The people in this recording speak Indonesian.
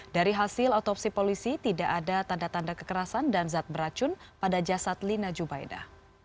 dari hasil otopsi polisi tidak ada tanda tanda kekerasan dan zat beracun pada jasad lina jubaida